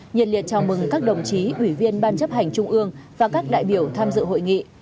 nhiệt liệt chào mừng các đồng chí ủy viên ban chấp hành trung ương và các đại biểu tham dự hội nghị